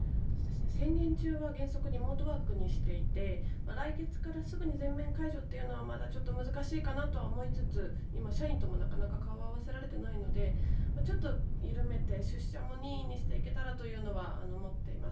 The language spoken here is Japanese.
宣言中は原則リモートワークにしていて来月からすぐに全面解除というのはまだ少し難しいかなと思いつつ、今社員ともなかなか顔を合わせられていないのでちょっと緩めて出社も任意にしていければと思っています。